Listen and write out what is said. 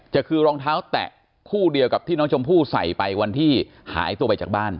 คือรองเท้าแตะคู่เดียวกับที่น้องชมพู่ใส่ไปวันที่หายตัวไปจากบ้าน